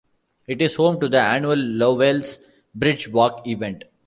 It is home to the annual Lovells Bridge Walk event.